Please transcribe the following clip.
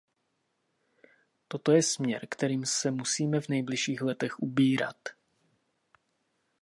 Toto je směr, kterým se musíme v nejbližších letech ubírat.